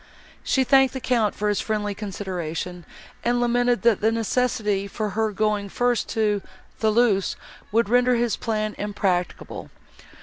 She thanked the Count for his friendly consideration, and lamented, that the necessity for her going first to Thoulouse would render this plan impracticable.